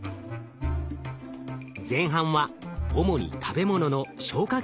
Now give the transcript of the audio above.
前半は主に食べものの消化